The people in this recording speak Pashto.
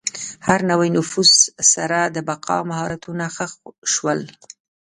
هر نوي نفوذ سره د بقا مهارتونه ښه شول.